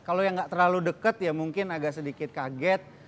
kalau yang nggak terlalu deket ya mungkin agak sedikit kaget